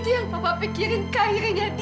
itu yang papa pikirin karirnya dia